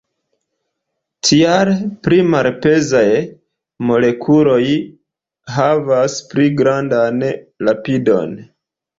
Tial, pli malpezaj molekuloj havas pli grandan rapidon.